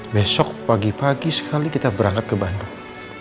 besok pagi pagi sekali kita berangkat ke bandung